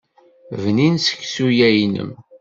Bnin seksu-ya-inem.